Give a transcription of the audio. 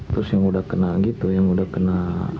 terus yang udah kena gitu yang udah kena